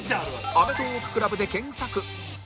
「アメトーーク ＣＬＵＢ」で検索